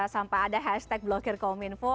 sampai ada hashtag bloggerkominfo